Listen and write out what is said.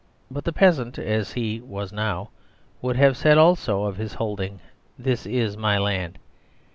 But the peasant (as he now was) would have said also of his holding, " This is my land."